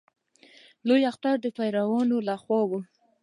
لوی خطر د پیرانو له خوا وي.